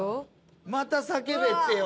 また「叫べ」ってよ。